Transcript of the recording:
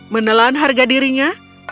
menelan harga dirinya